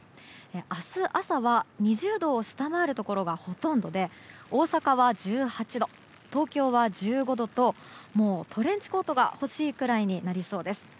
明日朝は２０度を下回るところがほとんどで、大阪は１８度東京は１５度とトレンチコートが欲しいくらいになりそうです。